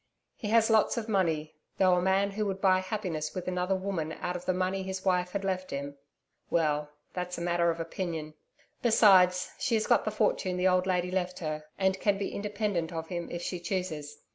He has lots of money though a man who would buy happiness with another woman out of the money his wife had left him well, that's a matter of opinion. Besides, she has got the fortune the old lady left her and can be independent of him if she chooses.